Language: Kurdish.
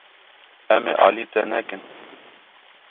Em ê alî te nekin.